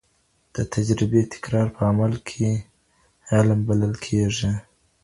د تجربې تکرار په عمل کي علم بلل کیږي.